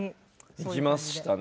行きましたね。